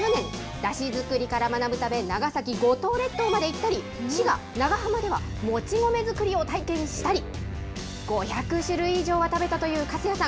だし作りから学ぶため、長崎・五島列島まで行ったり、滋賀・長浜ではもち米作りを体験したり、５００種類以上は食べたという粕谷さん。